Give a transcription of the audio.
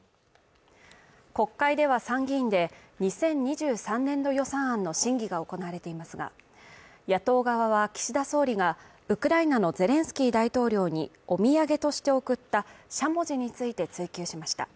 国会では参議院で２０２３年度予算案の審議が行われていますが野党側は岸田総理がウクライナのゼレンスキー大統領にお土産として贈ったしゃもじについて追及しました。